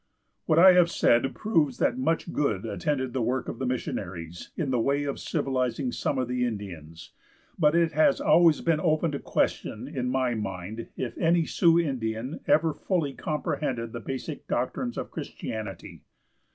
What I have said proves that much good attended the work of the missionaries in the way of civilizing some of the Indians, but it has always been open to question in my mind if any Sioux Indian ever fully comprehended the basic doctrines of Christianity.